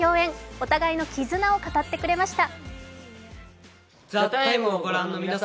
お互いの絆を語ってくれました。